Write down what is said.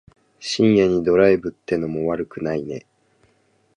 深夜にドライブってのも悪くないね。